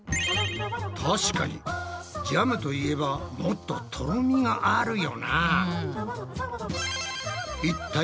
確かにジャムといえばもっととろみがあるよな。